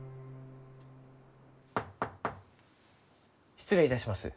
失礼いたします。